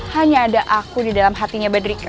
hanya ada aku di dalam hatinya mbak drika